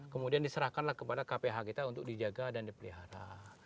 kemudian diserahkanlah kepada kph kita untuk dijaga dan dipelihara